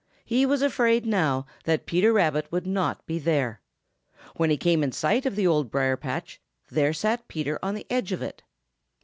He was afraid now that Peter Rabbit would not be there. When he came in sight of the Old Briar patch, there sat Peter on the edge of it.